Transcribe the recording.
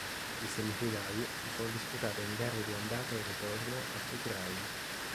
Le semifinali si sono disputate in gare di andata e ritorno a febbraio.